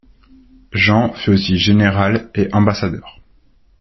Jean fut aussi général et ambassadeur.